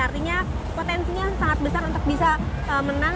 artinya potensinya sangat besar untuk bisa menang